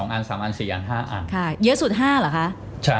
อัน๓อัน๔อัน๕อันค่ะเยอะสุด๕เหรอคะ